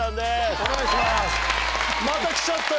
お願いします。